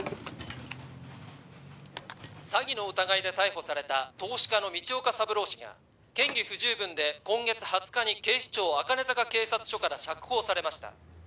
「詐欺の疑いで逮捕された投資家の道岡三郎氏が嫌疑不十分で今月２０日に警視庁茜坂警察署から釈放されました」